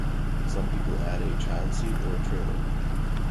Some people add a child seat or a trailer.